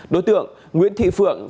đối tượng nguyễn thị phượng